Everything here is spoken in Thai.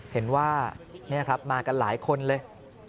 เห็นว่านี่ครับมากันหลายคนเลย